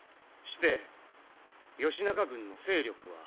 して義仲軍の勢力は？